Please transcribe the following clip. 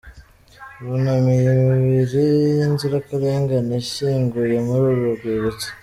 Bunamiye imibiri y'inzirakarengane ishyinguye muri uru rwibutso.